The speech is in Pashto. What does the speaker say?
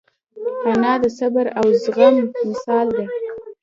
انا د صبر او زغم مثال ده